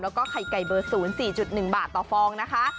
แล้วก็ไข่ไก่เบอร์๐๔๑บาทต่อฟองนะคะ